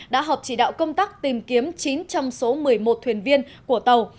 đã họp chỉ đạo công tác tìm kiếm chín trong số một mươi một thuyền viên của tàu